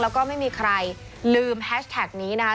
แล้วก็ไม่มีใครลืมแฮชแท็กนี้นะคะ